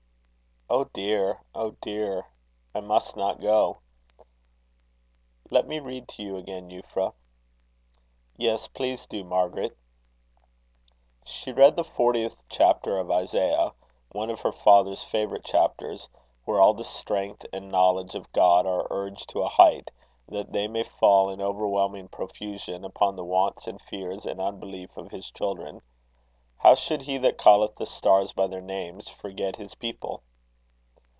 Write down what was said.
"Oh, dear! oh, dear! I must not go." "Let me read to you again, Eupra." "Yes, please do, Margaret." She read the fortieth chapter of Isaiah, one of her father's favourite chapters, where all the strength and knowledge of God are urged to a height, that they may fall in overwhelming profusion upon the wants and fears and unbelief of his children. How should he that calleth the stars by their names forget his people?